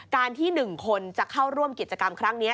การที่๑คนจะเข้าร่วมกิจกรรมครั้งนี้